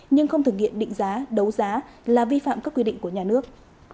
nhưng không thực hiện định giá đấu giá là vi phạm các quy định của nhà nước